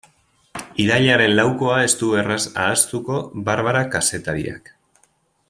Irailaren laukoa ez du erraz ahaztuko Barbara kazetariak.